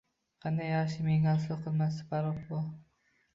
Qanday yaxshi, menga aslo qilmasdan parvo